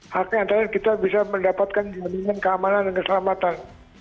haknya antara kita bisa mendapatkan jaminan keamanan dan keselamatan